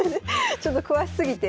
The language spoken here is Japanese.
ちょっと詳しすぎて。